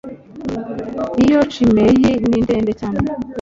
iyo chimney ni ndende cyane